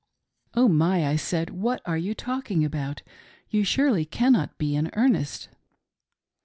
" Oh My !" I said, " What are you talking about .? You surely cannot be in earnest."